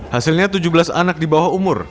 hasilnya tujuh belas anak di bawah umur